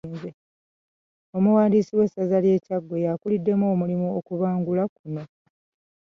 Omuwandiisi w'essaza ly'e Kyaggwe y'akuliddemu omulimu okubangula kuno.